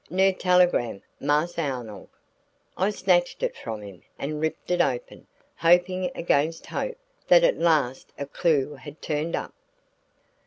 "Nurr telegram, Mars' Arnold." I snatched it from him and ripped it open, hoping against hope that at last a clue had turned up.